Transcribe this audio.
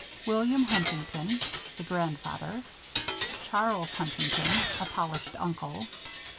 WILLIAM HUNTINGTON: A Grandfather. CHARLES HUNTINGTON: A Polished Uncle.